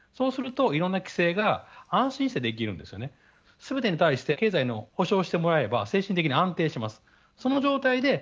すべてに対して経済の補償をしてもらえば精神的に安定します。